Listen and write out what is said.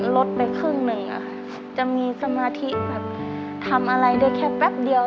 ลดไปครึ่งหนึ่งอะค่ะจะมีสมาธิแบบทำอะไรได้แค่แป๊บเดียว